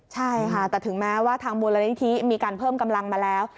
ใช่ค่ะแต่ถึงแม้ว่าทางมูลนิธิมีการเพิ่มกำลังมาแล้ว